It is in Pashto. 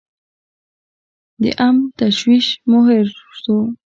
د عمرو تشویش مو هېر سوو